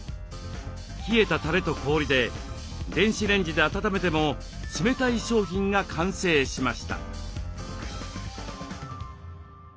冷えたたれと氷で電子レンジで温めても冷たい商品が完成しました。